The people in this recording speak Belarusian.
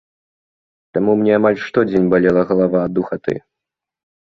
Таму мне амаль штодзень балела галава ад духаты.